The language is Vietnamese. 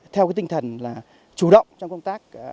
theo cái tinh thần là chủ động trong công tác